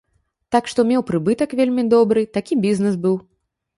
Так што меў прыбытак вельмі добры, такі бізнес быў.